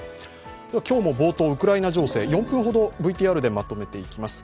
今日も冒頭、ウクライナ情勢４分ほどＶＴＲでまとめていきます。